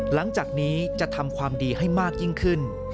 หลังจากนี้จะทำความดีให้มากยิ่งขึ้น